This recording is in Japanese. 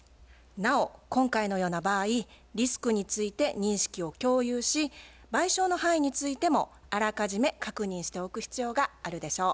なお今回のような場合リスクについて認識を共有し賠償の範囲についてもあらかじめ確認しておく必要があるでしょう。